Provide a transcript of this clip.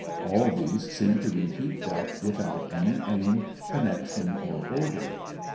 All these seem to be heaped up with out any aim, connection, or order.